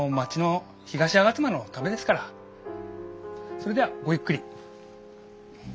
それではごゆっくり。